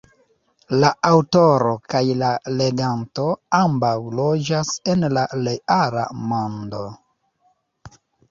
La aŭtoro kaj la leganto ambaŭ loĝas en la reala mondo.